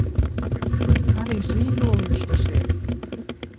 Harijs Vītoliņš tas ir!